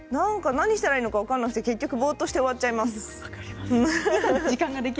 何していいか分からなくって、ぼーっとして時間が終わっちゃいます。